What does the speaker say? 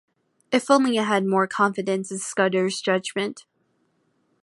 If only I had more confidence in Scudder’s judgement.